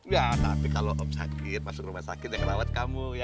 ya tapi kalau om sakit masuk rumah sakit yang ngerawat kamu ya